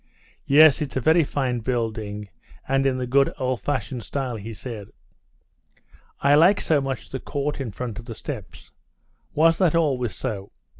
"Yes, it's a very fine building, and in the good old fashioned style," he said. "I like so much the court in front of the steps. Was that always so?"